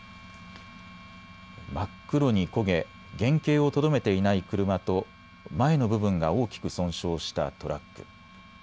真っ黒に焦げ、原形をとどめていない車と前の部分が大きく損傷したトラック。